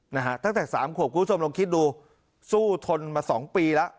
นะฮะตั้งแต่สามขวบคุณผู้ชมลองคิดดูสู้ทนมาสองปีแล้ว